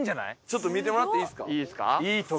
ちょっと見てもらっていいですか？